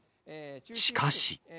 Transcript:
しかし。